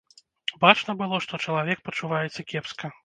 Бачна было, што чалавек пачуваецца кепска.